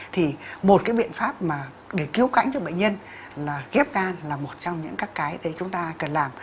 thì một cái biện pháp mà để cứu cảnh cho bệnh nhân là ghép gan là một trong những cái đấy chúng ta cần làm